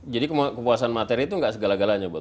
jadi kepuasan materi itu gak segala galanya